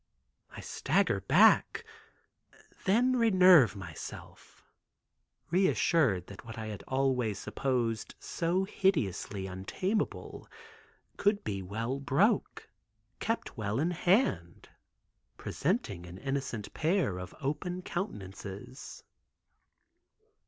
I stagger back, then renerve myself, reassured that what I had always supposed so hideously untamable could be well broke, kept well in hand, presenting an innocent pair of open countenances.